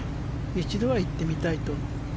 一度は行ってみたいと。